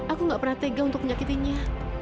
aku gak pernah tega untuk menyakitinya